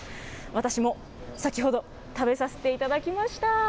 私も先ほど食べさせていただきました。